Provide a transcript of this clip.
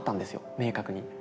明確に。